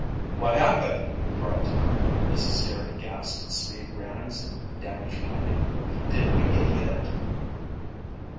"What happened?" cried Tom as he stared aghast at 'Speed' Rand's damaged plane. "Did we get hit?"